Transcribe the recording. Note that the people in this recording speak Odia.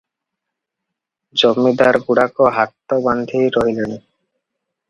ଜମିଦାରଗୁଡ଼ାକ ହାତ ବାନ୍ଧି ରହିଲେଣି ।